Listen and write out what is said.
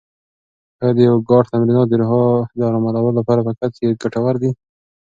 آیا د یوګا تمرینات د روح د ارامولو لپاره په حقیقت کې ګټور دي؟